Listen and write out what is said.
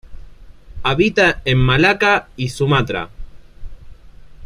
Habita en Malaca y Sumatra.